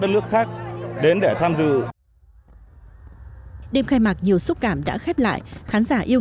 đất nước khác đến để tham dự đêm khai mạc nhiều xúc cảm đã khép lại khán giả yêu